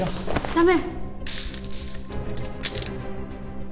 ダメ！